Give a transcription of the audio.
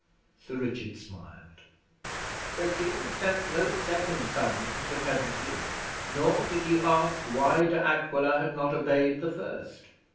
Sir Richard smiled. 'The King sent no second summons to Pevensey, nor did he ask why De Aquila had not obeyed the first.